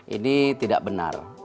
ini tidak benar